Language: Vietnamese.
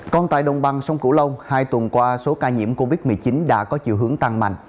còn tại đồng bằng sông cửu long hai tuần qua số ca nhiễm covid một mươi chín đã có chiều hướng tăng mạnh